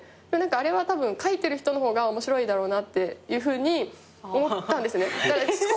あれはたぶん書いてる人の方が面白いだろうっていうふうに思ったんですね。